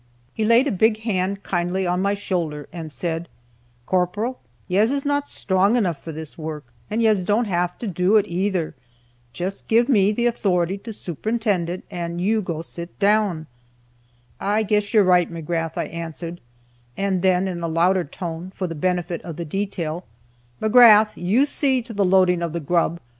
He laid a big hand kindly on my shoulder, and said: "Carparral, yez is not sthrong enough for this worrk, and yez don't have to do it, ayether. Jist give me the 't'ority to shupirintind it, and you go sit down." "I guess you're right, McGrath," I answered, and then, in a louder tone, for the benefit of the detail, "McGrath, you see to the loading of the grub.